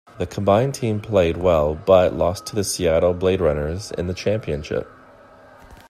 The combined team played well but lost to the Seattle Bladerunners in the championship.